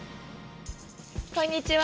こんにちは。